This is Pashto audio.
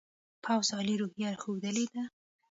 پوځ عالي روحیه ښودلې ده.